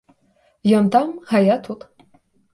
Ён там, а я тут.